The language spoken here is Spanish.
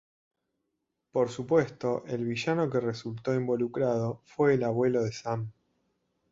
Por supuesto, el villano que resultó involucrado fue el abuelo de Sam.